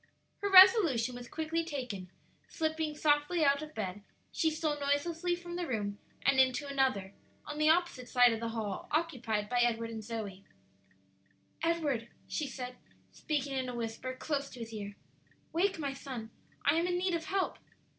Her resolution was quickly taken; slipping softly out of bed, she stole noiselessly from the room and into another, on the opposite side of the hall, occupied by Edward and Zoe. "Edward," she said, speaking in a whisper close to his ear, "wake, my son; I am in need of help."